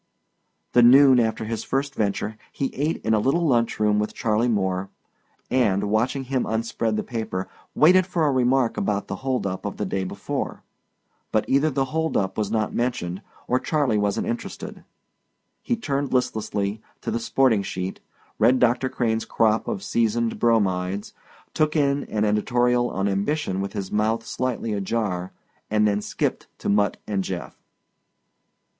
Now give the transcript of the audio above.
The noon after his first venture he ate in a little lunch room with Charley Moore and, watching him unspread the paper, waited for a remark about the hold up of the day before. But either the hold up was not mentioned or Charley wasn't interested. He turned listlessly to the sporting sheet, read Doctor Crane's crop of seasoned bromides, took in an editorial on ambition with his mouth slightly ajar, and then skipped to Mutt and Jeff.